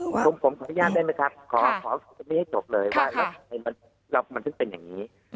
ผมขออนุญาตได้ไหมครับขอไม่ให้จบเลยว่ามันถึงเป็นอย่างนี้